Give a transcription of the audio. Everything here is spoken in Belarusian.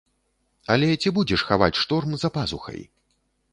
Але ці будзеш хаваць шторм за пазухай?